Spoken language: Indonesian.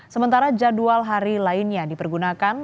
sementara jadwal hari lainnya dipergunakan